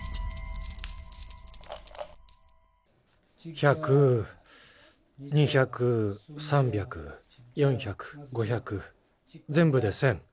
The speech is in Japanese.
１００２００３００４００５００ぜんぶで１，０００。